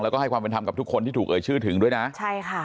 แล้วก็ให้ความเป็นธรรมกับทุกคนที่ถูกเอ่ยชื่อถึงด้วยนะใช่ค่ะ